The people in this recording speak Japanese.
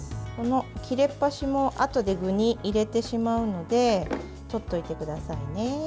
切れっ端もあとで具に入れてしまうのでとっておいてくださいね。